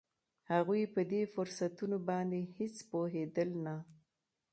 هغوی په دې فرصتونو باندې هېڅ پوهېدل نه